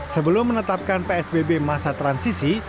sebelum menetapkan psbb masa transisi